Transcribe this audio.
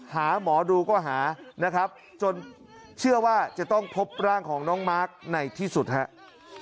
หาหมอดูก็หานะครับจนเชื่อว่าจะต้องพบร่างของน้องมาร์คในที่สุดครับ